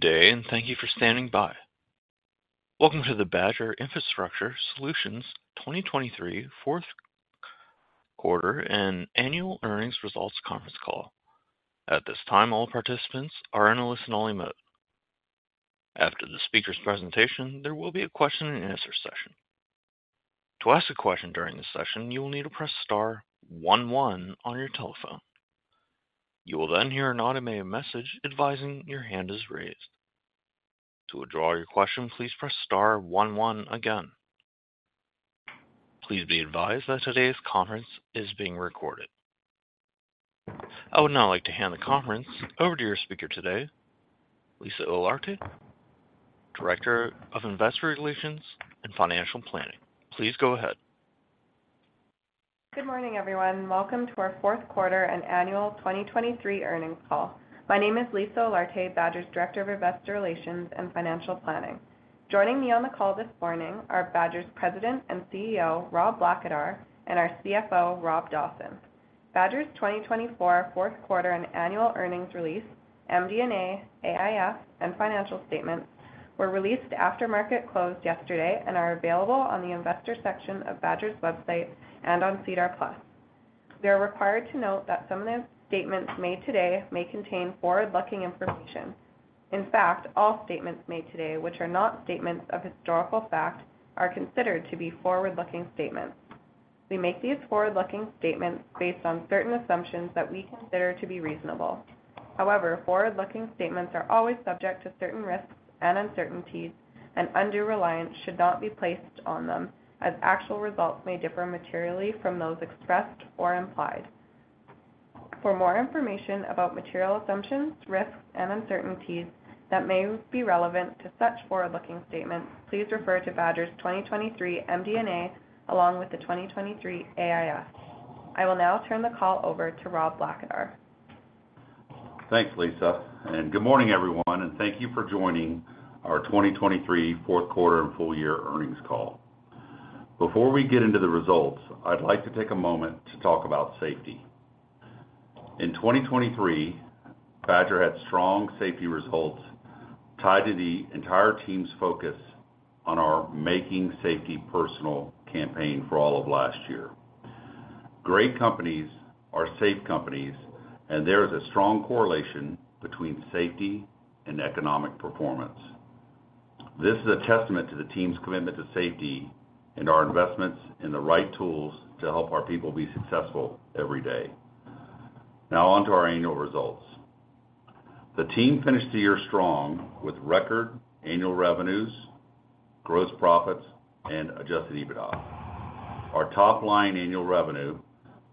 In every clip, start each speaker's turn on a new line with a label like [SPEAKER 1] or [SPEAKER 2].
[SPEAKER 1] Good day, and thank you for standing by. Welcome to the Badger Infrastructure Solutions 2023 Fourth Quarter and annual earnings results conference call. At this time, all participants are in a listen-only mode. After the speaker's presentation, there will be a question-and-answer session. To ask a question during this session, you will need to press star one one on your telephone. You will then hear an automated message advising your hand is raised. To withdraw your question, please press star one one again. Please be advised that today's conference is being recorded. I would now like to hand the conference over to your speaker today, Lisa Olarte, Director of Investor Relations and Financial Planning. Please go ahead.
[SPEAKER 2] Good morning, everyone. Welcome to our fourth quarter and annual 2023 earnings call. My name is Lisa Olarte, Badger's Director of Investor Relations and Financial Planning. Joining me on the call this morning are Badger's President and CEO, Rob Blackadar, and our CFO, Rob Dawson. Badger's 2023 fourth quarter and annual earnings release, MD&A, AIF, and financial statements were released after market closed yesterday and are available on the investor section of Badger's website and on SEDAR+. We are required to note that some of the statements made today may contain forward-looking information. In fact, all statements made today which are not statements of historical fact are considered to be forward-looking statements. We make these forward-looking statements based on certain assumptions that we consider to be reasonable. However, forward-looking statements are always subject to certain risks and uncertainties, and undue reliance should not be placed on them, as actual results may differ materially from those expressed or implied. For more information about material assumptions, risks, and uncertainties that may be relevant to such forward-looking statements, please refer to Badger's 2023 MD&A along with the 2023 AIF. I will now turn the call over to Rob Blackadar.
[SPEAKER 3] Thanks, Lisa. Good morning, everyone, and thank you for joining our 2023 fourth quarter and full-year earnings call. Before we get into the results, I'd like to take a moment to talk about safety. In 2023, Badger had strong safety results tied to the entire team's focus on our Making Safety Personal campaign for all of last year. Great companies are safe companies, and there is a strong correlation between safety and economic performance. This is a testament to the team's commitment to safety and our investments in the right tools to help our people be successful every day. Now onto our annual results. The team finished the year strong with record annual revenues, gross profits, and Adjusted EBITDA. Our top-line annual revenue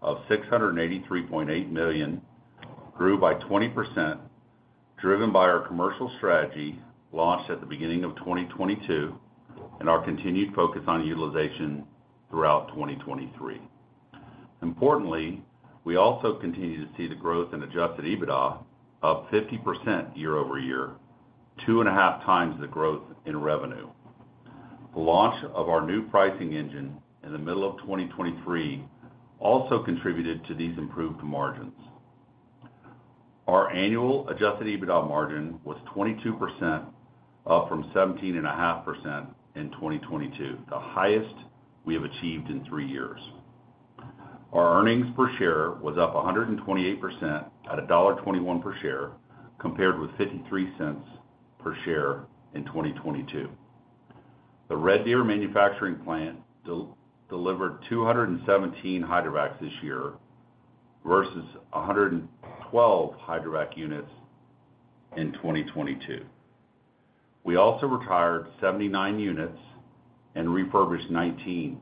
[SPEAKER 3] of 683.8 million grew by 20%, driven by our commercial strategy launched at the beginning of 2022 and our continued focus on utilization throughout 2023. Importantly, we also continue to see the growth in Adjusted EBITDA up 50% year-over-year, 2.5x the growth in revenue. The launch of our new pricing engine in the middle of 2023 also contributed to these improved margins. Our annual Adjusted EBITDA margin was 22% up from 17.5% in 2022, the highest we have achieved in three years. Our earnings per share was up 128% at $1.21 per share compared with $0.53 per share in 2022. The Red Deer manufacturing plant delivered 217 hydrovacs this year versus 112 hydrovac units in 2022. We also retired 79 units and refurbished 19,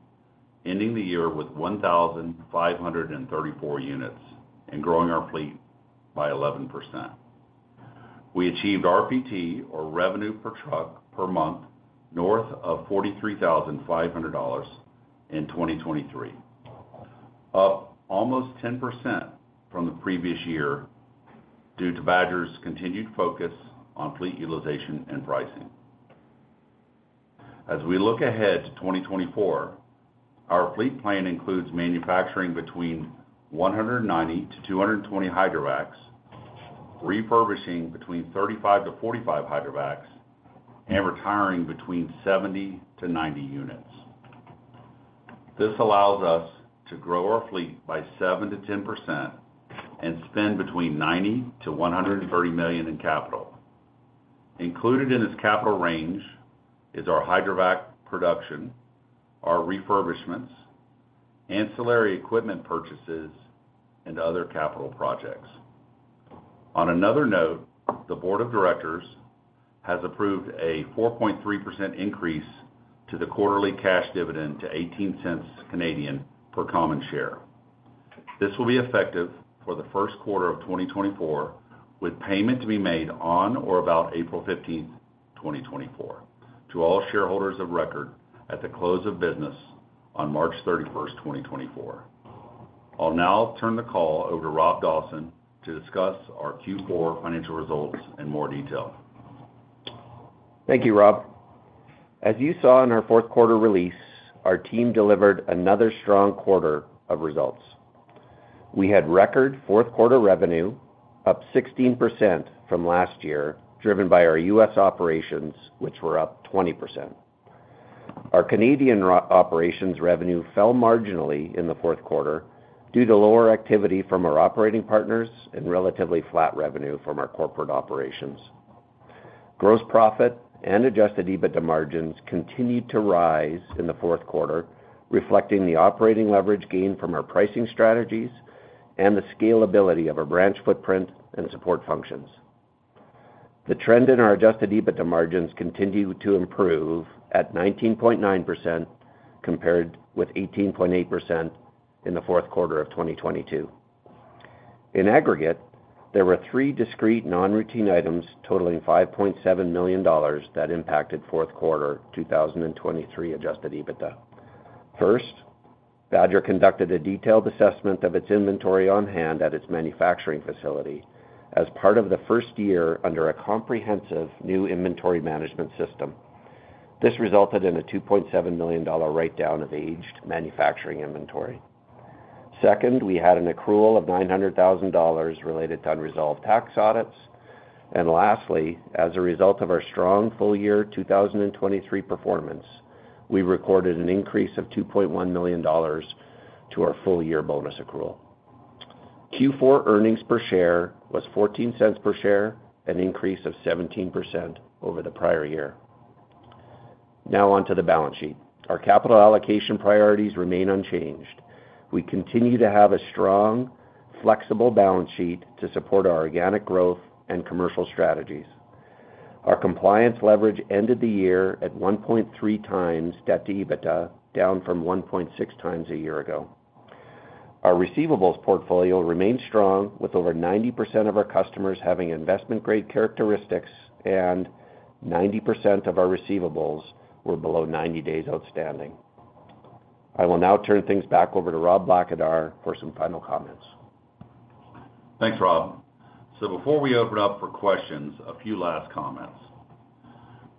[SPEAKER 3] ending the year with 1,534 units and growing our fleet by 11%. We achieved RPT, or revenue per truck per month, north of $43,500 in 2023, up almost 10% from the previous year due to Badger's continued focus on fleet utilization and pricing. As we look ahead to 2024, our fleet plan includes manufacturing between 190-220 hydrovacs, refurbishing between 35-45 hydrovacs, and retiring between 70-90 units. This allows us to grow our fleet by 7%-10% and spend between 90 million-130 million in capital. Included in this capital range is our hydrovac production, our refurbishments, ancillary equipment purchases, and other capital projects. On another note, the board of directors has approved a 4.3% increase to the quarterly cash dividend to 0.18 per common share. This will be effective for the first quarter of 2024, with payment to be made on or about April 15th, 2024, to all shareholders of record at the close of business on March 31st, 2024. I'll now turn the call over to Rob Dawson to discuss our Q4 financial results in more detail.
[SPEAKER 4] Thank you, Rob. As you saw in our fourth quarter release, our team delivered another strong quarter of results. We had record fourth quarter revenue up 16% from last year, driven by our U.S. operations, which were up 20%. Our Canadian operations revenue fell marginally in the fourth quarter due to lower activity from our operating partners and relatively flat revenue from our corporate operations. Gross profit and Adjusted EBITDA margins continued to rise in the fourth quarter, reflecting the operating leverage gained from our pricing strategies and the scalability of our branch footprint and support functions. The trend in our Adjusted EBITDA margins continued to improve at 19.9% compared with 18.8% in the fourth quarter of 2022. In aggregate, there were three discrete non-routine items totaling 5.7 million dollars that impacted fourth quarter 2023 Adjusted EBITDA. First, Badger conducted a detailed assessment of its inventory on hand at its manufacturing facility as part of the first year under a comprehensive new inventory management system. This resulted in a 2.7 million dollar write-down of aged manufacturing inventory. Second, we had an accrual of 900,000 dollars related to unresolved tax audits. Lastly, as a result of our strong full-year 2023 performance, we recorded an increase of 2.1 million dollars to our full-year bonus accrual. Q4 earnings per share was 0.14 per share, an increase of 17% over the prior year. Now onto the balance sheet. Our capital allocation priorities remain unchanged. We continue to have a strong, flexible balance sheet to support our organic growth and commercial strategies. Our compliance leverage ended the year at 1.3x debt to EBITDA, down from 1.6x a year ago. Our receivables portfolio remained strong, with over 90% of our customers having investment-grade characteristics, and 90% of our receivables were below 90 days outstanding. I will now turn things back over to Rob Blackadar for some final comments.
[SPEAKER 3] Thanks, Rob. So before we open up for questions, a few last comments.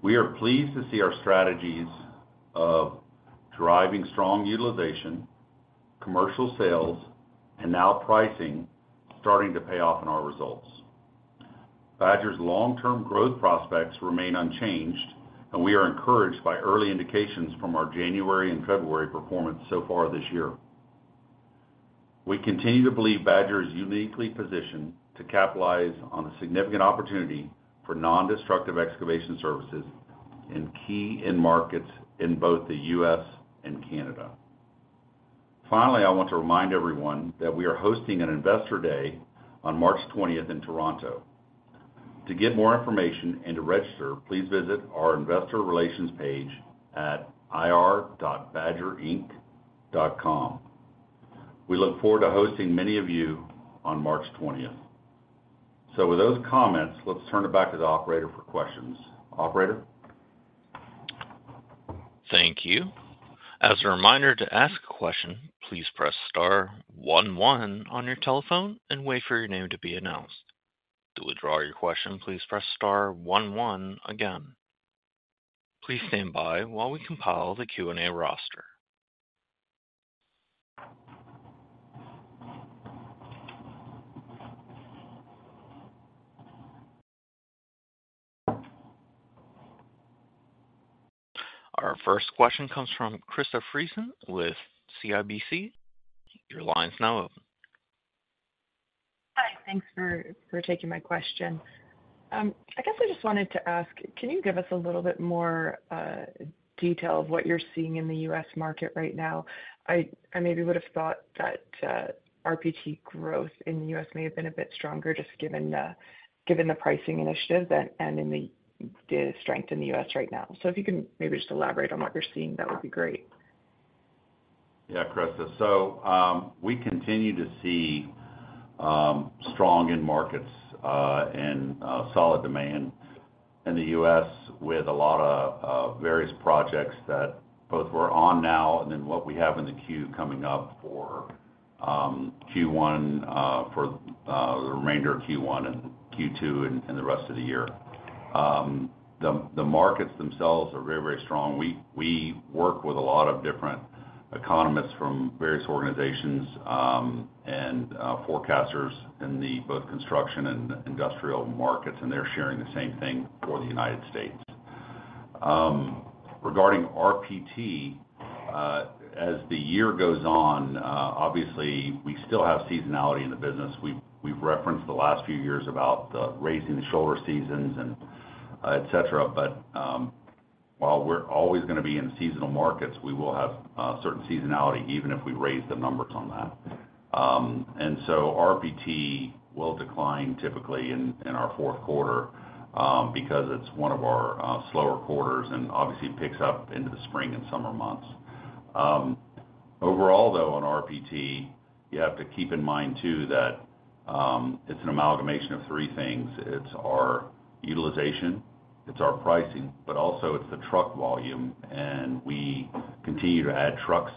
[SPEAKER 3] We are pleased to see our strategies of driving strong utilization, commercial sales, and now pricing starting to pay off in our results. Badger's long-term growth prospects remain unchanged, and we are encouraged by early indications from our January and February performance so far this year. We continue to believe Badger is uniquely positioned to capitalize on the significant opportunity for non-destructive excavation services in key markets in both the U.S. and Canada. Finally, I want to remind everyone that we are hosting an Investor Day on March 20th in Toronto. To get more information and to register, please visit our Investor Relations page at ir.badgerinc.com. We look forward to hosting many of you on March 20th. So with those comments, let's turn it back to the operator for questions. Operator?
[SPEAKER 1] Thank you. As a reminder, to ask a question, please press star one one on your telephone and wait for your name to be announced. To withdraw your question, please press star one one again. Please stand by while we compile the Q&A roster. Our first question comes from Krista Friesen with CIBC. Your line's now open.
[SPEAKER 5] Hi. Thanks for taking my question. I guess I just wanted to ask, can you give us a little bit more detail of what you're seeing in the U.S. market right now? I maybe would have thought that RPT growth in the U.S. may have been a bit stronger just given the pricing initiative and the strength in the U.S. right now. So if you can maybe just elaborate on what you're seeing, that would be great.
[SPEAKER 3] Yeah, Krista. So we continue to see strong in-markets and solid demand in the U.S. with a lot of various projects that both we're on now and then what we have in the queue coming up for Q1, for the remainder of Q1 and Q2 and the rest of the year. The markets themselves are very, very strong. We work with a lot of different economists from various organizations and forecasters in both construction and industrial markets, and they're sharing the same thing for the United States. Regarding RPT, as the year goes on, obviously, we still have seasonality in the business. We've referenced the last few years about raising the shoulder seasons, etc. But while we're always going to be in seasonal markets, we will have certain seasonality even if we raise the numbers on that. RPT will decline typically in our fourth quarter because it's one of our slower quarters and obviously picks up into the spring and summer months. Overall, though, on RPT, you have to keep in mind too that it's an amalgamation of three things. It's our utilization. It's our pricing. But also, it's the truck volume. And we continue to add trucks.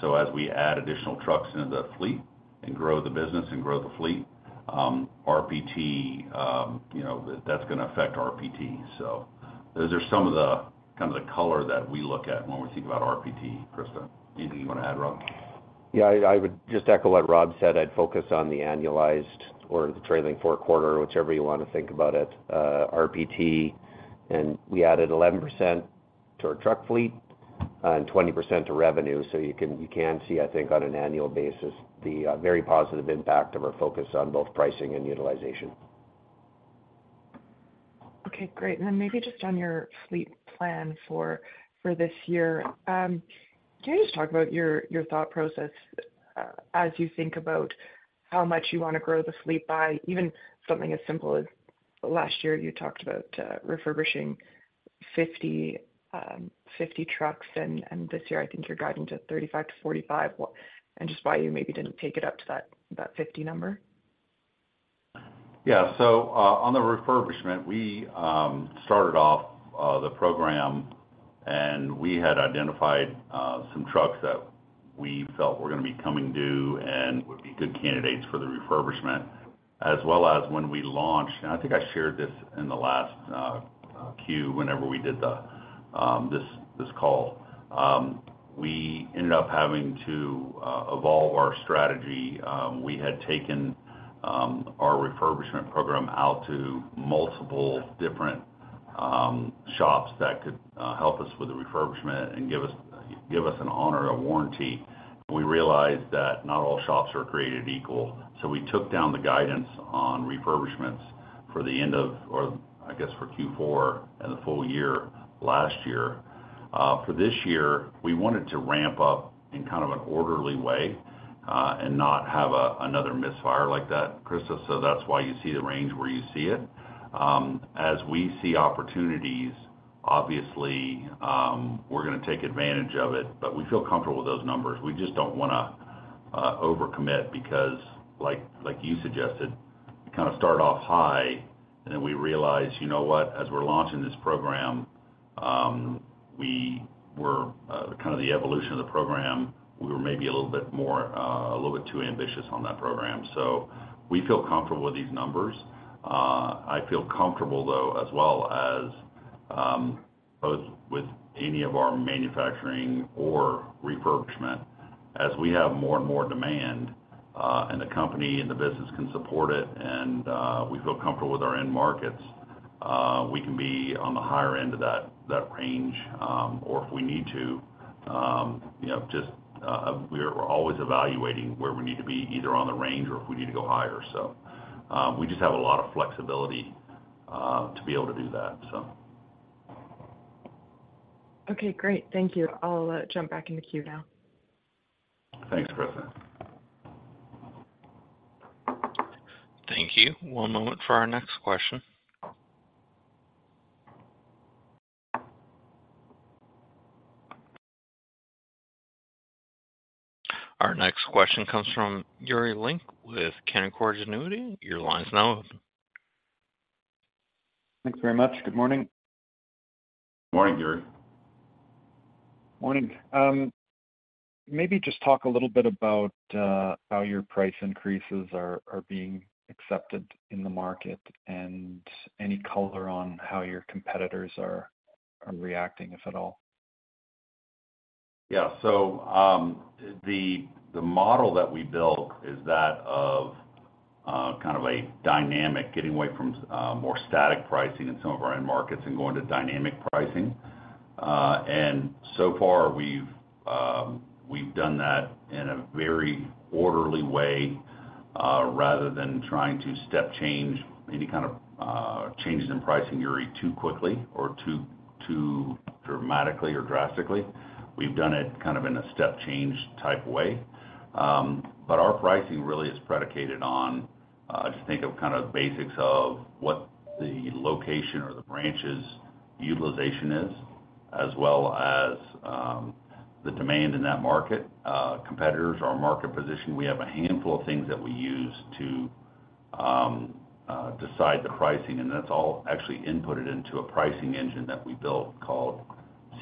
[SPEAKER 3] So as we add additional trucks into the fleet and grow the business and grow the fleet, RPT, that's going to affect RPT. So those are some of the kind of the color that we look at when we think about RPT, Krista. Anything you want to add, Rob? Yeah. I would just echo what Rob said. I'd focus on the annualized or the trailing four-quarter, whichever you want to think about it, RPT. And we added 11% to our truck fleet and 20% to revenue. So you can see, I think, on an annual basis, the very positive impact of our focus on both pricing and utilization.
[SPEAKER 5] Okay. Great. Then maybe just on your fleet plan for this year, can you just talk about your thought process as you think about how much you want to grow the fleet by, even something as simple as last year, you talked about refurbishing 50 trucks, and this year, I think you're guiding to 35-45, and just why you maybe didn't take it up to that 50 number?
[SPEAKER 3] Yeah. So on the refurbishment, we started off the program, and we had identified some trucks that we felt were going to be coming due and would be good candidates for the refurbishment, as well as when we launched and I think I shared this in the last Q whenever we did this call. We ended up having to evolve our strategy. We had taken our refurbishment program out to multiple different shops that could help us with the refurbishment and give us and a warranty. We realized that not all shops are created equal. So we took down the guidance on refurbishments for the end of or I guess for Q4 and the full year last year. For this year, we wanted to ramp up in kind of an orderly way and not have another misfire like that, Krista. So that's why you see the range where you see it. As we see opportunities, obviously, we're going to take advantage of it, but we feel comfortable with those numbers. We just don't want to overcommit because, like you suggested, we kind of start off high, and then we realize, "You know what? As we're launching this program, we were kind of the evolution of the program, we were maybe a little bit more a little bit too ambitious on that program." So we feel comfortable with these numbers. I feel comfortable, though, as well as both with any of our manufacturing or refurbishment. As we have more and more demand and the company and the business can support it, and we feel comfortable with our end markets, we can be on the higher end of that range. Or if we need to, just we're always evaluating where we need to be, either on the range or if we need to go higher. So we just have a lot of flexibility to be able to do that, so.
[SPEAKER 5] Okay. Great. Thank you. I'll jump back in the queue now.
[SPEAKER 3] Thanks, Krista.
[SPEAKER 1] Thank you. One moment for our next question. Our next question comes from Yuri Lynk with Canaccord Genuity. Your line's now open.
[SPEAKER 6] Thanks very much. Good morning.
[SPEAKER 3] Good morning, Yuri.
[SPEAKER 6] Morning. Maybe just talk a little bit about how your price increases are being accepted in the market and any color on how your competitors are reacting, if at all.
[SPEAKER 3] Yeah. So the model that we built is that of kind of a dynamic getting away from more static pricing in some of our end markets and going to dynamic pricing. And so far, we've done that in a very orderly way rather than trying to step change any kind of changes in pricing, Yuri, too quickly or too dramatically or drastically. We've done it kind of in a step-change type way. But our pricing really is predicated on, I just think, kind of the basics of what the location or the branch's utilization is, as well as the demand in that market, competitors, our market position. We have a handful of things that we use to decide the pricing, and that's all actually inputted into a pricing engine that we built called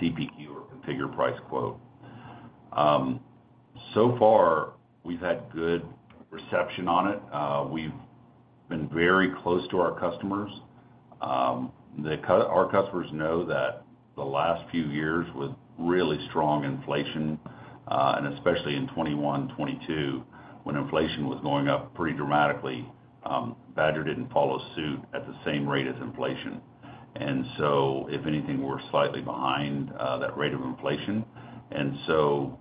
[SPEAKER 3] CPQ or Configure Price Quote. So far, we've had good reception on it. We've been very close to our customers. Our customers know that the last few years with really strong inflation, and especially in 2021, 2022, when inflation was going up pretty dramatically, Badger didn't follow suit at the same rate as inflation. And so if anything, we're slightly behind that rate of inflation. And so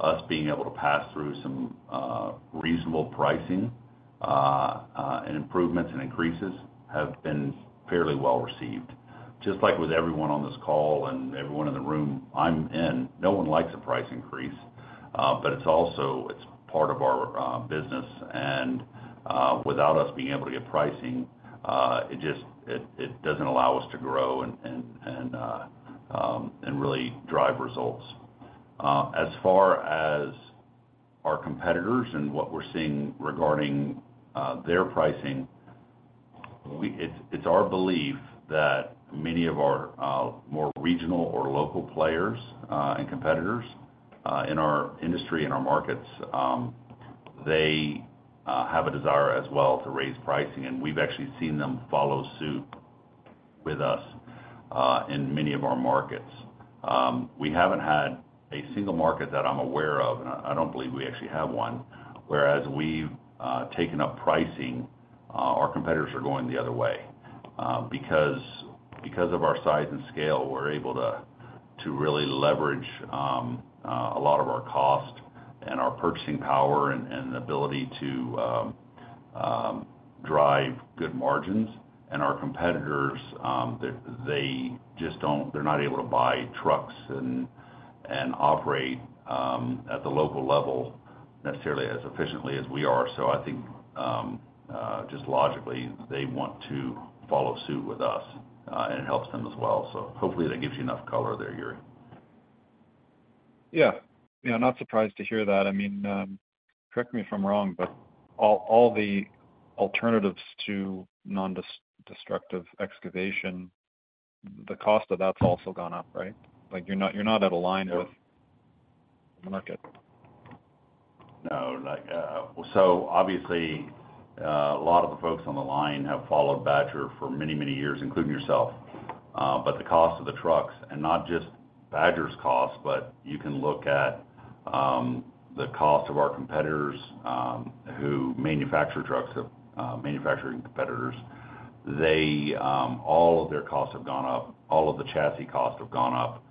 [SPEAKER 3] us being able to pass through some reasonable pricing and improvements and increases have been fairly well received. Just like with everyone on this call and everyone in the room I'm in, no one likes a price increase, but it's part of our business. And without us being able to get pricing, it doesn't allow us to grow and really drive results. As far as our competitors and what we're seeing regarding their pricing, it's our belief that many of our more regional or local players and competitors in our industry and our markets, they have a desire as well to raise pricing. We've actually seen them follow suit with us in many of our markets. We haven't had a single market that I'm aware of, and I don't believe we actually have one, whereas we've taken up pricing. Our competitors are going the other way. Because of our size and scale, we're able to really leverage a lot of our cost and our purchasing power and the ability to drive good margins. Our competitors, they're not able to buy trucks and operate at the local level necessarily as efficiently as we are. I think, just logically, they want to follow suit with us, and it helps them as well. Hopefully, that gives you enough color there, Yuri.
[SPEAKER 6] Yeah. Yeah. Not surprised to hear that. I mean, correct me if I'm wrong, but all the alternatives to non-destructive excavation, the cost of that's also gone up, right? You're not at a line with the market.
[SPEAKER 3] No. So obviously, a lot of the folks on the line have followed Badger for many, many years, including yourself. But the cost of the trucks, and not just Badger's cost, but you can look at the cost of our competitors who manufacture trucks, manufacturing competitors, all of their costs have gone up. All of the chassis costs have gone up.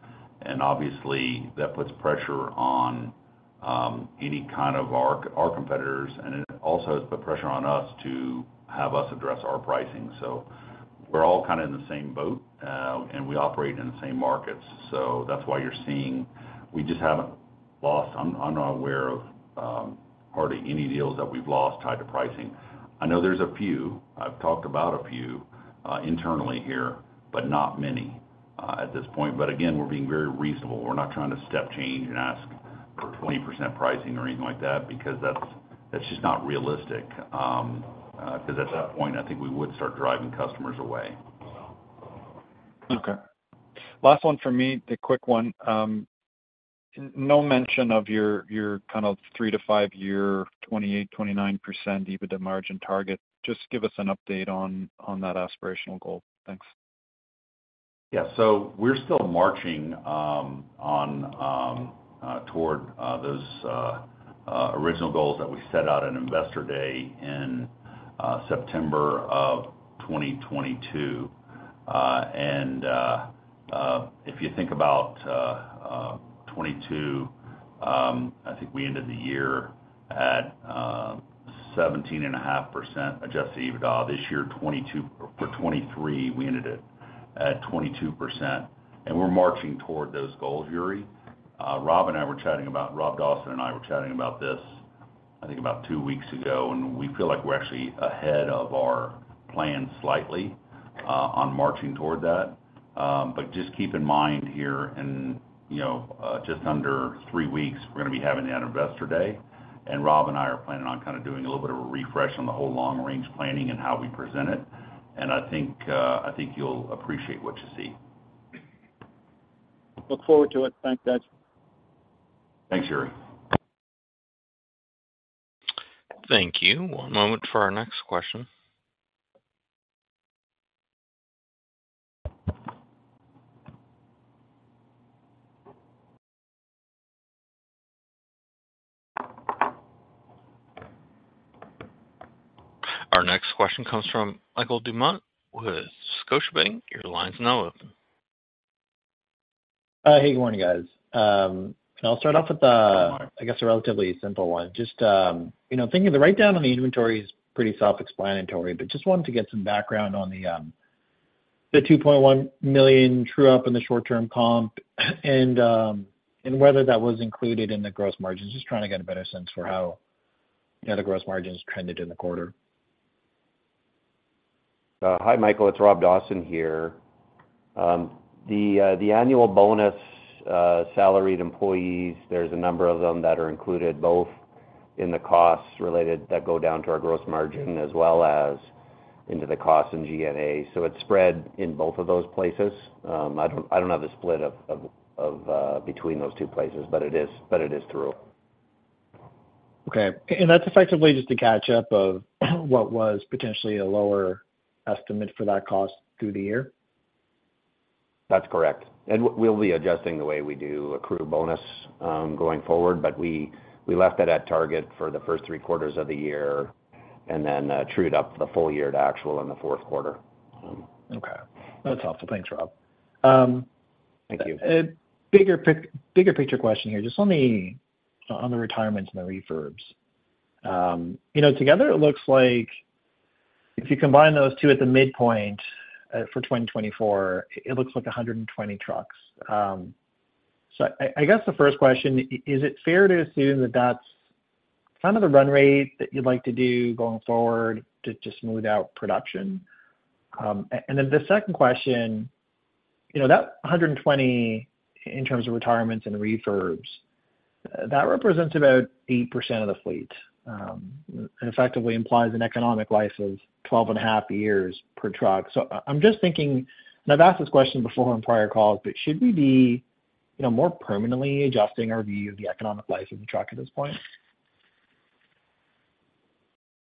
[SPEAKER 3] And obviously, that puts pressure on any kind of our competitors, and it also has put pressure on us to have us address our pricing. So we're all kind of in the same boat, and we operate in the same markets. So that's why you're seeing we just haven't lost. I'm not aware of hardly any deals that we've lost tied to pricing. I know there's a few. I've talked about a few internally here, but not many at this point. But again, we're being very reasonable. We're not trying to step change and ask for 20% pricing or anything like that because that's just not realistic. Because at that point, I think we would start driving customers away.
[SPEAKER 6] Okay. Last one for me, the quick one. No mention of your kind of 3-5-year 28%-29% EBITDA margin target. Just give us an update on that aspirational goal. Thanks.
[SPEAKER 3] Yeah. So we're still marching toward those original goals that we set out on Investor Day in September of 2022. And if you think about 2022, I think we ended the year at 17.5% Adjusted EBITDA. This year, for 2023, we ended it at 22%. And we're marching toward those goals, Yuri. Rob and I were chatting about Rob Dawson and I were chatting about this, I think, about two weeks ago. And we feel like we're actually ahead of our plan slightly on marching toward that. But just keep in mind here, in just under three weeks, we're going to be having that Investor Day. And Rob and I are planning on kind of doing a little bit of a refresh on the whole long-range planning and how we present it. And I think you'll appreciate what you see.
[SPEAKER 6] Look forward to it. Thanks, guys.
[SPEAKER 3] Thanks, Yuri.
[SPEAKER 1] Thank you. One moment for our next question. Our next question comes from Michael Doumet with Scotiabank. Your line's now open.
[SPEAKER 7] Hey. Good morning, guys. Can, I'll start off with, I guess, a relatively simple one. Just thinking the write-down on the inventory is pretty self-explanatory, but just wanted to get some background on the 2.1 million true-up and the short-term comp and whether that was included in the gross margins, just trying to get a better sense for how the gross margins trended in the quarter.
[SPEAKER 4] Hi, Michael. It's Rob Dawson here. The annual bonus salaried employees, there's a number of them that are included both in the costs that go down to our gross margin as well as into the costs in G&A. So it's spread in both of those places. I don't have a split between those two places, but it is through.
[SPEAKER 6] Okay. That's effectively just a catch-up of what was potentially a lower estimate for that cost through the year?
[SPEAKER 4] That's correct. We'll be adjusting the way we do accrue bonus going forward, but we left it at target for the first three quarters of the year and then trued up the full year to actual in the fourth quarter.
[SPEAKER 6] Okay. That's helpful. Thanks, Rob.
[SPEAKER 4] Thank you.
[SPEAKER 8] Bigger picture question here. Just on the retirements and the refurbs. Together, it looks like if you combine those two at the midpoint for 2024, it looks like 120 trucks. So I guess the first question, is it fair to assume that that's kind of the run rate that you'd like to do going forward to just smooth out production? And then the second question, that 120 in terms of retirements and refurbs, that represents about 8% of the fleet and effectively implies an economic life of 12.5 years per truck. So I'm just thinking, and I've asked this question before on prior calls, but should we be more permanently adjusting our view of the economic life of the truck at this point?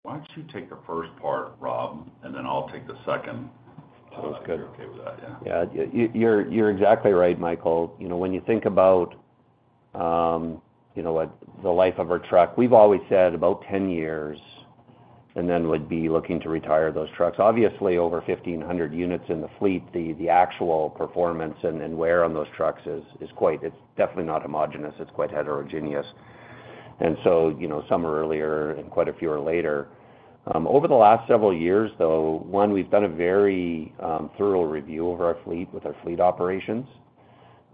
[SPEAKER 3] Why don't you take the first part, Rob, and then I'll take the second to see if you're okay with that? Yeah.
[SPEAKER 4] Yeah. You're exactly right, Michael. When you think about the life of our truck, we've always said about 10 years and then would be looking to retire those trucks. Obviously, over 1,500 units in the fleet, the actual performance and wear on those trucks is quite, it's definitely not homogeneous. It's quite heterogeneous. And so some are earlier and quite a few are later. Over the last several years, though, one, we've done a very thorough review of our fleet with our fleet operations.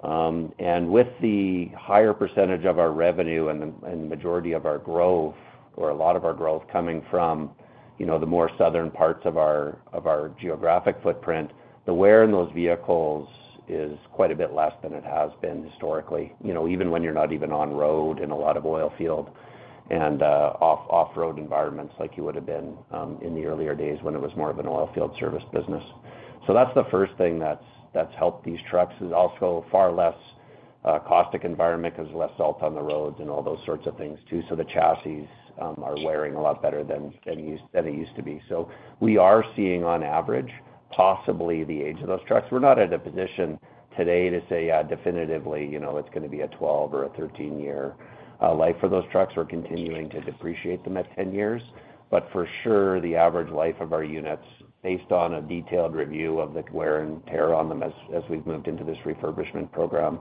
[SPEAKER 4] With the higher percentage of our revenue and the majority of our growth or a lot of our growth coming from the more southern parts of our geographic footprint, the wear in those vehicles is quite a bit less than it has been historically, even when you're not even on road in a lot of oil field and off-road environments like you would have been in the earlier days when it was more of an oil field service business. So that's the first thing that's helped these trucks is also far less caustic environment because there's less salt on the roads and all those sorts of things too. The chassis are wearing a lot better than it used to be. We are seeing, on average, possibly the age of those trucks. We're not at a position today to say, "Yeah, definitively, it's going to be a 12 or a 13-year life for those trucks." We're continuing to depreciate them at 10 years. But for sure, the average life of our units, based on a detailed review of the wear and tear on them as we've moved into this refurbishment program,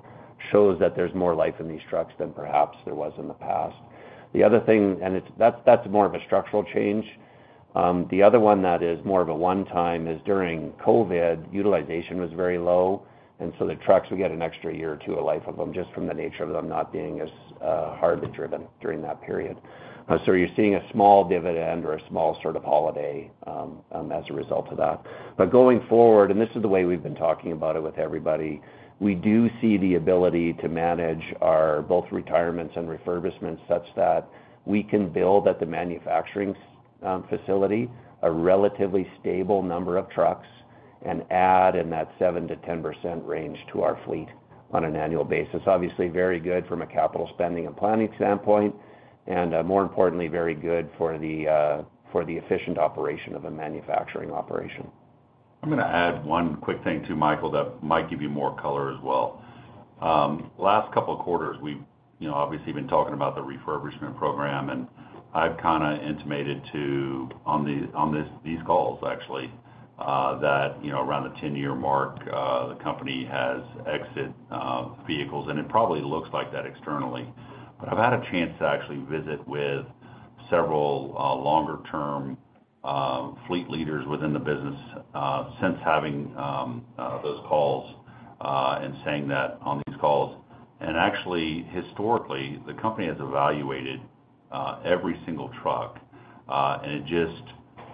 [SPEAKER 4] shows that there's more life in these trucks than perhaps there was in the past. The other thing, and that's more of a structural change. The other one that is more of a one-time is during COVID, utilization was very low. And so the trucks, we get an extra year or two of life of them just from the nature of them not being as hardly driven during that period. So you're seeing a small dividend or a small sort of holiday as a result of that. But going forward, and this is the way we've been talking about it with everybody, we do see the ability to manage both retirements and refurbishments such that we can build at the manufacturing facility a relatively stable number of trucks and add in that 7%-10% range to our fleet on an annual basis. Obviously, very good from a capital spending and planning standpoint, and more importantly, very good for the efficient operation of a manufacturing operation.
[SPEAKER 3] I'm going to add one quick thing too, Michael, that might give you more color as well. Last couple of quarters, we've obviously been talking about the refurbishment program, and I've kind of intimated to on these calls, actually, that around the 10-year mark, the company has exit vehicles, and it probably looks like that externally. But I've had a chance to actually visit with several longer-term fleet leaders within the business since having those calls and saying that on these calls. And actually, historically, the company has evaluated every single truck. And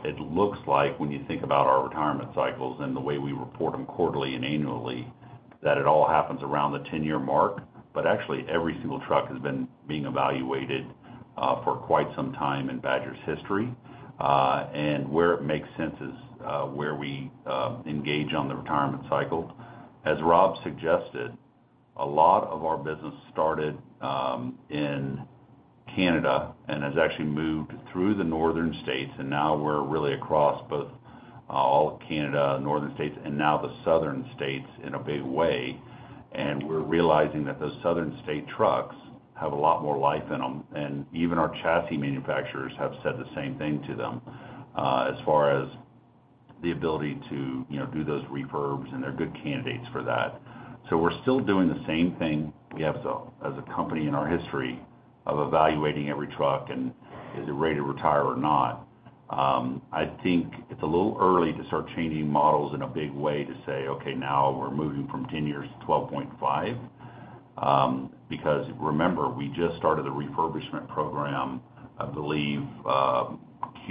[SPEAKER 3] it looks like when you think about our retirement cycles and the way we report them quarterly and annually, that it all happens around the 10-year mark. But actually, every single truck has been being evaluated for quite some time in Badger's history. And where it makes sense is where we engage on the retirement cycle. As Rob suggested, a lot of our business started in Canada and has actually moved through the northern states. Now we're really across both all of Canada, northern states, and now the southern states in a big way. We're realizing that those southern state trucks have a lot more life in them. Even our chassis manufacturers have said the same thing to them as far as the ability to do those refurbs, and they're good candidates for that. So we're still doing the same thing. We have, as a company in our history, of evaluating every truck and is it ready to retire or not. I think it's a little early to start changing models in a big way to say, "Okay, now we're moving from 10 years to 12.5." Because remember, we just started the refurbishment program, I believe, Q1,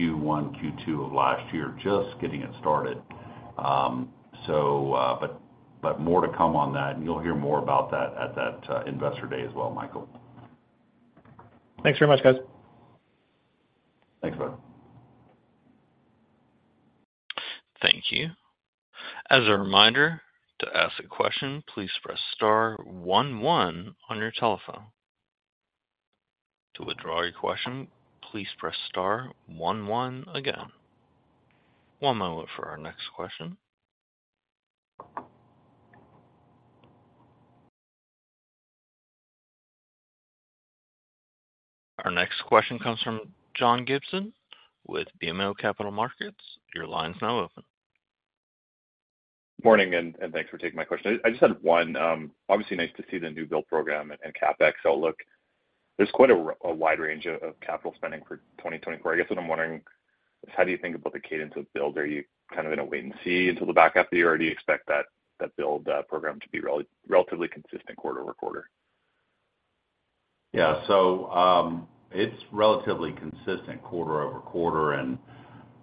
[SPEAKER 3] Q2 of last year, just getting it started. But more to come on that, and you'll hear more about that at that Investor Day as well, Michael.
[SPEAKER 7] Thanks very much, guys.
[SPEAKER 3] Thanks, bud.
[SPEAKER 1] Thank you. As a reminder, to ask a question, please press star one one on your telephone. To withdraw your question, please press star one one again. One moment for our next question. Our next question comes from John Gibson with BMO Capital Markets. Your line's now open.
[SPEAKER 9] Morning, and thanks for taking my question. I just had one. Obviously, nice to see the new build program and CapEx outlook. There's quite a wide range of capital spending for 2024. I guess what I'm wondering is, how do you think about the cadence of builds? Are you kind of in a wait-and-see until the back half of the year, or do you expect that build program to be relatively consistent quarter over quarter?
[SPEAKER 3] Yeah. So it's relatively consistent quarter-over-quarter. And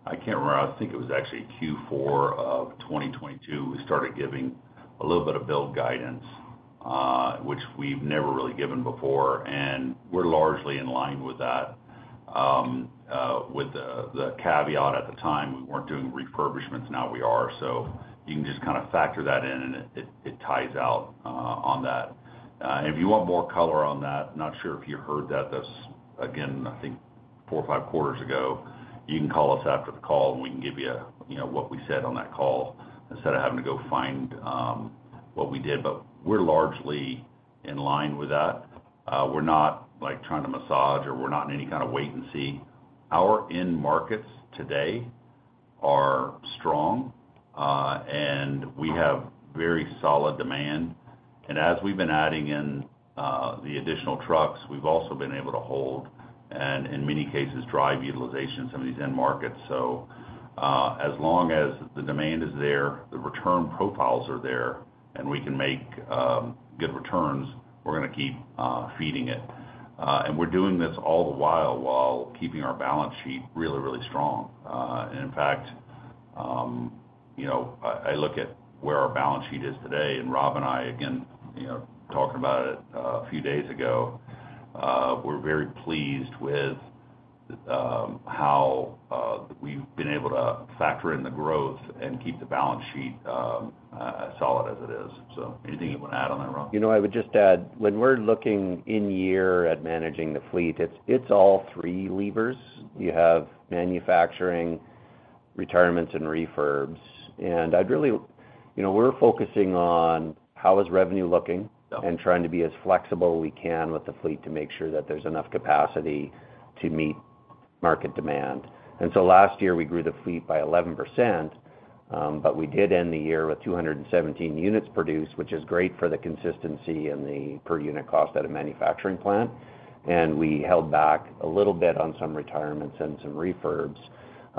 [SPEAKER 3] I can't remember. I think it was actually Q4 of 2022 we started giving a little bit of build guidance, which we've never really given before. And we're largely in line with that. With the caveat at the time, we weren't doing refurbishments. Now we are. So you can just kind of factor that in, and it ties out on that. And if you want more color on that, not sure if you heard that, that's, again, I think, four or five quarters ago. You can call us after the call, and we can give you what we said on that call instead of having to go find what we did. But we're largely in line with that. We're not trying to massage, or we're not in any kind of wait-and-see. Our end markets today are strong, and we have very solid demand. And as we've been adding in the additional trucks, we've also been able to hold and, in many cases, drive utilization of some of these end markets. So as long as the demand is there, the return profiles are there, and we can make good returns, we're going to keep feeding it. And we're doing this all the while while keeping our balance sheet really, really strong. And in fact, I look at where our balance sheet is today, and Rob and I, again, talking about it a few days ago, we're very pleased with how we've been able to factor in the growth and keep the balance sheet as solid as it is. So anything you want to add on that, Rob?
[SPEAKER 4] I would just add, when we're looking in-year at managing the fleet, it's all three levers. You have manufacturing, retirements, and refurbs. And we're focusing on how is revenue looking and trying to be as flexible we can with the fleet to make sure that there's enough capacity to meet market demand. And so last year, we grew the fleet by 11%, but we did end the year with 217 units produced, which is great for the consistency and the per-unit cost at a manufacturing plant. And we held back a little bit on some retirements and some refurbs,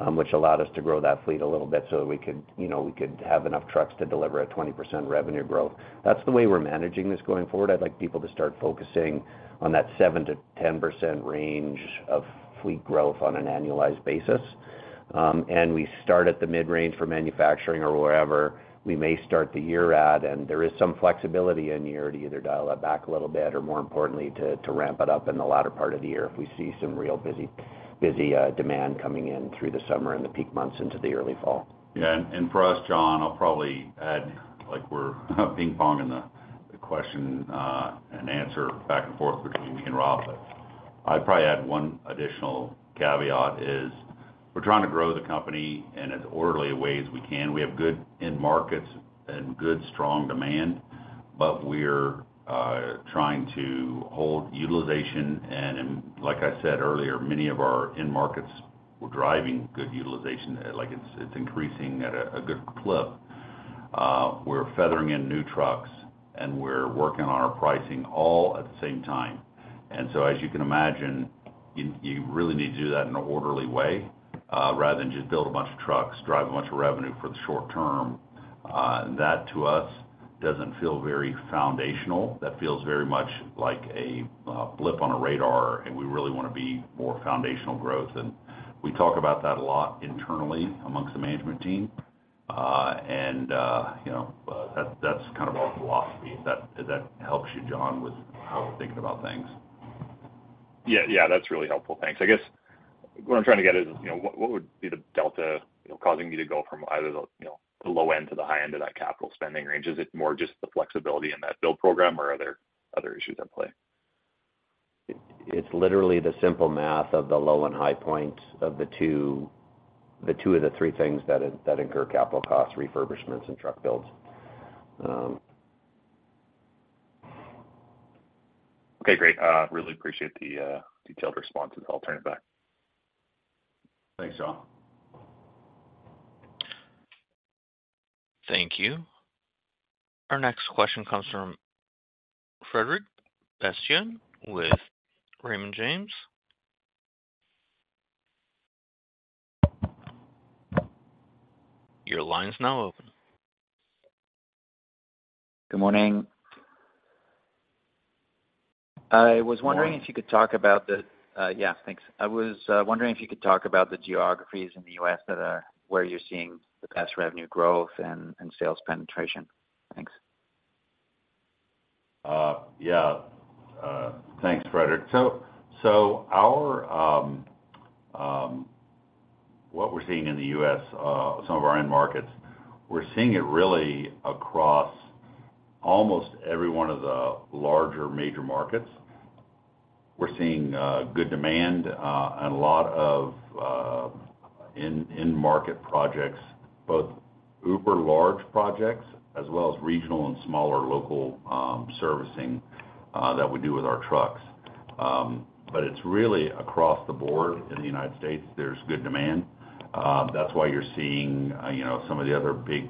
[SPEAKER 4] which allowed us to grow that fleet a little bit so that we could have enough trucks to deliver at 20% revenue growth. That's the way we're managing this going forward. I'd like people to start focusing on that 7%-10% range of fleet growth on an annualized basis. We start at the mid-range for manufacturing or wherever we may start the year at. There is some flexibility in-year to either dial that back a little bit or, more importantly, to ramp it up in the latter part of the year if we see some real busy demand coming in through the summer and the peak months into the early fall. Yeah. And for us, John, I'll probably add we're ping-ponging the question and answer back and forth between me and Rob, but I'd probably add one additional caveat is we're trying to grow the company, and it's orderly in ways we can. We have good end markets and good, strong demand, but we're trying to hold utilization. And like I said earlier, many of our end markets were driving good utilization. It's increasing at a good clip. We're feathering in new trucks, and we're working on our pricing all at the same time. And so as you can imagine, you really need to do that in an orderly way rather than just build a bunch of trucks, drive a bunch of revenue for the short term. That, to us, doesn't feel very foundational. That feels very much like a blip on a radar, and we really want to be more foundational growth. We talk about that a lot internally among the management team. That's kind of our philosophy. If that helps you, John, with how we're thinking about things.
[SPEAKER 9] Yeah. Yeah. That's really helpful. Thanks. I guess what I'm trying to get is what would be the delta causing you to go from either the low end to the high end of that capital spending range? Is it more just the flexibility in that build program, or are there other issues at play?
[SPEAKER 4] It's literally the simple math of the low and high point of the two of the three things that incur capital costs, refurbishments, and truck builds.
[SPEAKER 9] Okay. Great. Really appreciate the detailed responses. I'll turn it back.
[SPEAKER 3] Thanks, John.
[SPEAKER 1] Thank you. Our next question comes from Frederic Bastien with Raymond James. Your line's now open.
[SPEAKER 10] Good morning. Thanks. I was wondering if you could talk about the geographies in the U.S. where you're seeing the best revenue growth and sales penetration. Thanks.
[SPEAKER 3] Yeah. Thanks, Frederic. So what we're seeing in the U.S., some of our end markets, we're seeing it really across almost every one of the larger major markets. We're seeing good demand and a lot of end-market projects, both uber-large projects as well as regional and smaller local servicing that we do with our trucks. But it's really across the board. In the United States, there's good demand. That's why you're seeing some of the other big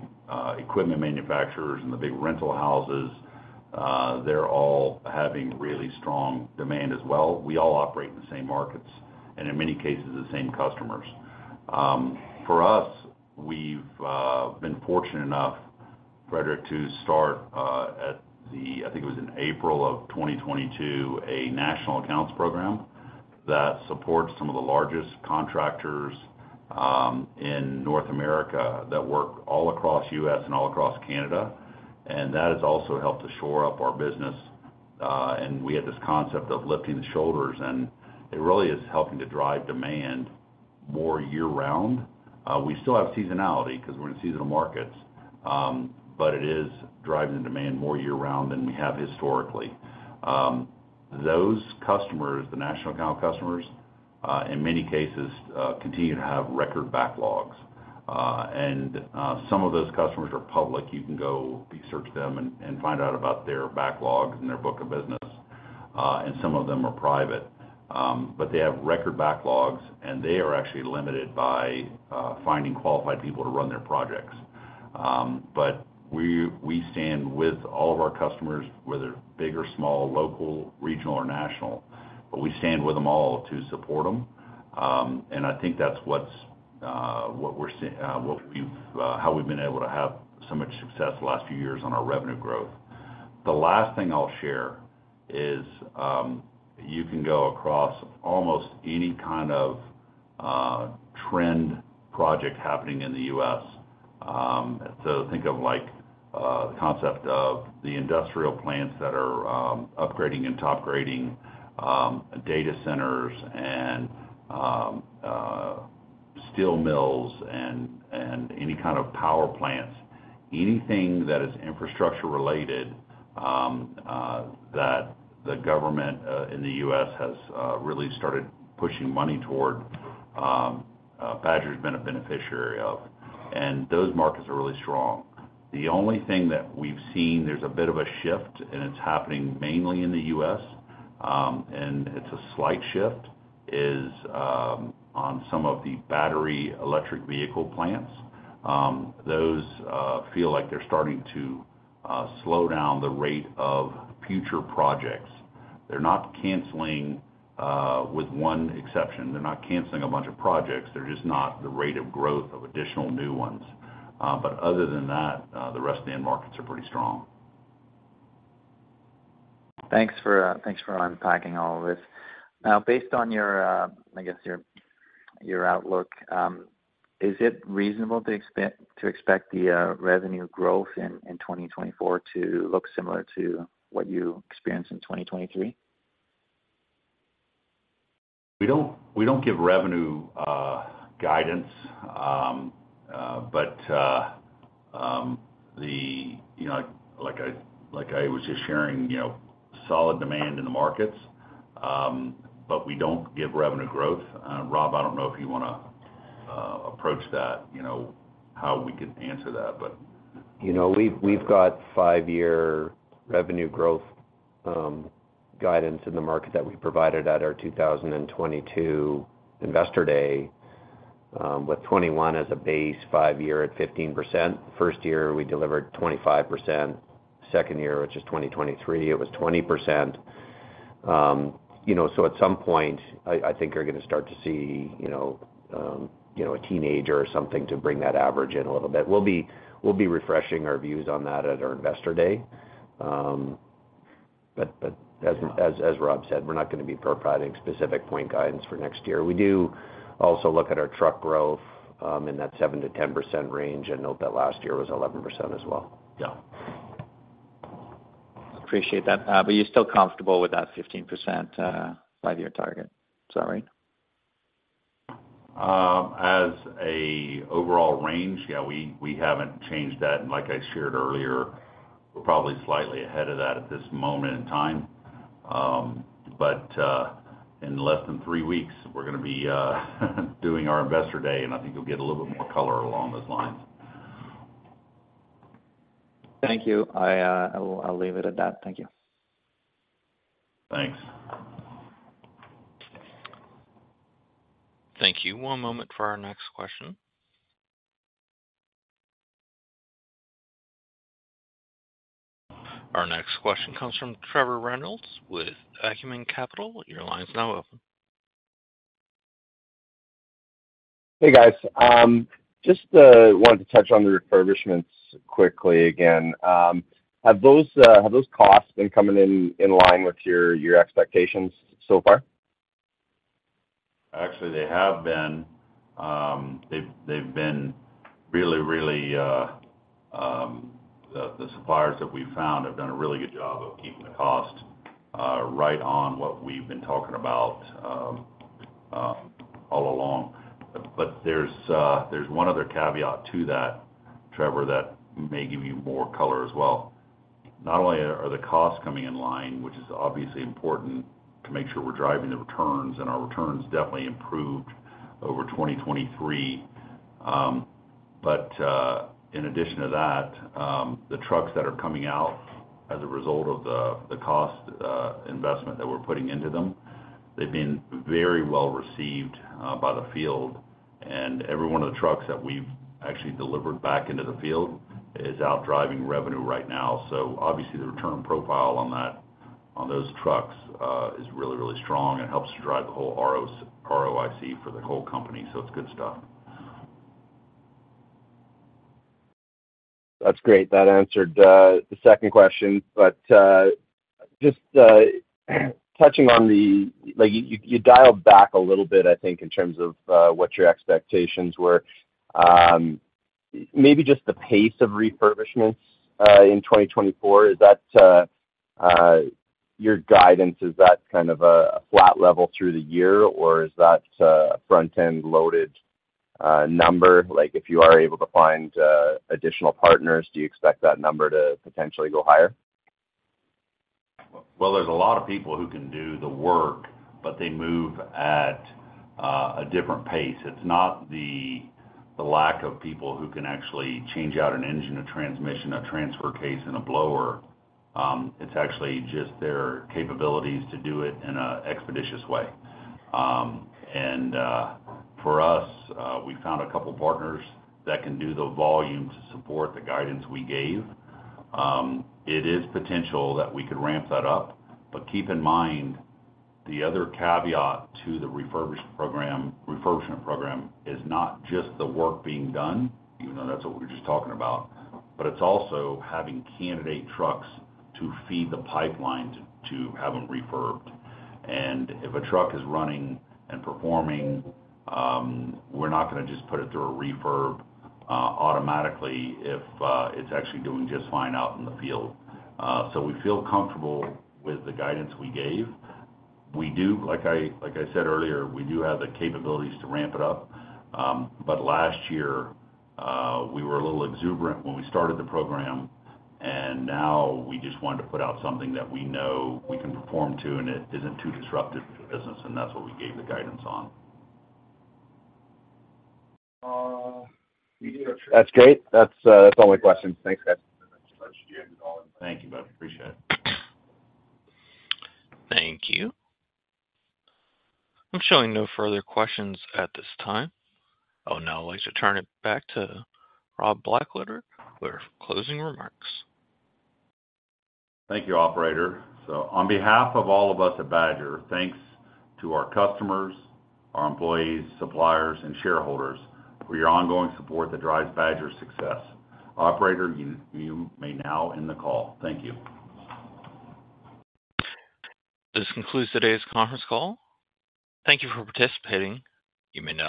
[SPEAKER 3] equipment manufacturers and the big rental houses, they're all having really strong demand as well. We all operate in the same markets and, in many cases, the same customers. For us, we've been fortunate enough, Frederic, to start at the I think it was in April of 2022, a national accounts program that supports some of the largest contractors in North America that work all across the U.S. and all across Canada. That has also helped to shore up our business. We had this concept of lifting the shoulders, and it really is helping to drive demand more year-round. We still have seasonality because we're in seasonal markets, but it is driving the demand more year-round than we have historically. Those customers, the national account customers, in many cases, continue to have record backlogs. Some of those customers are public. You can go research them and find out about their backlogs and their book of business. Some of them are private. They have record backlogs, and they are actually limited by finding qualified people to run their projects. We stand with all of our customers, whether big or small, local, regional, or national, but we stand with them all to support them. I think that's how we've been able to have so much success the last few years on our revenue growth. The last thing I'll share is you can go across almost any kind of trend project happening in the U.S. So think of the concept of the industrial plants that are upgrading and topgrading, data centers, and steel mills, and any kind of power plants. Anything that is infrastructure-related that the government in the U.S. has really started pushing money toward, Badger's been a beneficiary of. And those markets are really strong. The only thing that we've seen, there's a bit of a shift, and it's happening mainly in the U.S. And it's a slight shift on some of the battery electric vehicle plants. Those feel like they're starting to slow down the rate of future projects. They're not canceling with one exception. They're not canceling a bunch of projects. They're just not the rate of growth of additional new ones. But other than that, the rest of the end markets are pretty strong.
[SPEAKER 10] Thanks for unpacking all of this. Now, based on, I guess, your outlook, is it reasonable to expect the revenue growth in 2024 to look similar to what you experienced in 2023?
[SPEAKER 3] We don't give revenue guidance. But like I was just sharing, solid demand in the markets, but we don't give revenue growth. Rob, I don't know if you want to approach that, how we could answer that, but.
[SPEAKER 4] We've got five-year revenue growth guidance in the market that we provided at our 2022 Investor Day, with 2021 as a base, five-year at 15%. First year, we delivered 25%. Second year, which is 2023, it was 20%. So at some point, I think you're going to start to see a teenager or something to bring that average in a little bit. We'll be refreshing our views on that at our Investor Day. But as Rob said, we're not going to be providing specific point guidance for next year. We do also look at our truck growth in that 7%-10% range and note that last year was 11% as well.
[SPEAKER 9] Yeah. Appreciate that. But you're still comfortable with that 15% five-year target. Is that right?
[SPEAKER 3] As an overall range, yeah, we haven't changed that. And like I shared earlier, we're probably slightly ahead of that at this moment in time. But in less than three weeks, we're going to be doing our Investor Day, and I think you'll get a little bit more color along those lines.
[SPEAKER 10] Thank you. I'll leave it at that. Thank you.
[SPEAKER 3] Thanks.
[SPEAKER 1] Thank you. One moment for our next question. Our next question comes from Trevor Reynolds with Acumen Capital. Your line's now open.
[SPEAKER 11] Hey, guys. Just wanted to touch on the refurbishments quickly again. Have those costs been coming in line with your expectations so far?
[SPEAKER 3] Actually, they have been. They've been really, really the suppliers that we've found have done a really good job of keeping the cost right on what we've been talking about all along. But there's one other caveat to that, Trevor, that may give you more color as well. Not only are the costs coming in line, which is obviously important to make sure we're driving the returns, and our returns definitely improved over 2023, but in addition to that, the trucks that are coming out as a result of the cost investment that we're putting into them, they've been very well received by the field. And every one of the trucks that we've actually delivered back into the field is out driving revenue right now. So obviously, the return profile on those trucks is really, really strong and helps to drive the whole ROIC for the whole company. It's good stuff.
[SPEAKER 11] That's great. That answered the second question. But just touching on that you dialed back a little bit, I think, in terms of what your expectations were. Maybe just the pace of refurbishments in 2024, your guidance, is that kind of a flat level through the year, or is that a front-end loaded number? If you are able to find additional partners, do you expect that number to potentially go higher?
[SPEAKER 3] Well, there's a lot of people who can do the work, but they move at a different pace. It's not the lack of people who can actually change out an engine, a transmission, a transfer case, and a blower. It's actually just their capabilities to do it in an expeditious way. And for us, we found a couple of partners that can do the volume to support the guidance we gave. It is potential that we could ramp that up. But keep in mind, the other caveat to the refurbishment program is not just the work being done, even though that's what we were just talking about, but it's also having candidate trucks to feed the pipeline to have them refurbished. And if a truck is running and performing, we're not going to just put it through a refurb automatically if it's actually doing just fine out in the field. We feel comfortable with the guidance we gave. Like I said earlier, we do have the capabilities to ramp it up. But last year, we were a little exuberant when we started the program, and now we just wanted to put out something that we know we can perform to and it isn't too disruptive to the business. That's what we gave the guidance on.
[SPEAKER 11] That's great. That's all my questions. Thanks, guys.
[SPEAKER 3] Thank you, buddy. Appreciate it.
[SPEAKER 1] Thank you. I'm showing no further questions at this time. Oh, now I'd like to turn it back to Rob Blackadar for closing remarks.
[SPEAKER 3] Thank you, operator. On behalf of all of us at Badger, thanks to our customers, our employees, suppliers, and shareholders for your ongoing support that drives Badger's success. Operator, you may now end the call. Thank you.
[SPEAKER 1] This concludes today's conference call. Thank you for participating. You may now.